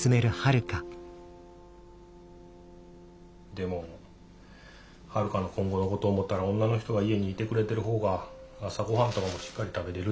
でもはるかの今後のこと思ったら女の人が家にいてくれてる方が朝ごはんとかもしっかり食べれる。